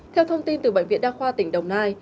theo thông tin từ bệnh viện đa khoa tỉnh đồng nai